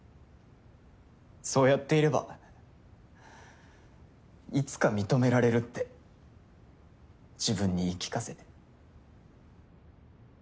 そうやっていればいつか認められるって自分に言い聞かせて。